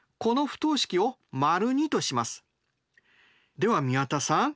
では宮田さん